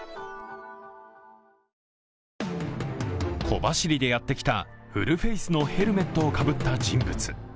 小走りでやってきたフルフェイスのヘルメットをかぶった人物。